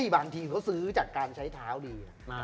บางทีเขาซื้อจากการใช้เท้าดี